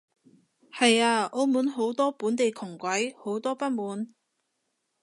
係啊，澳門好多本地窮鬼，好多不滿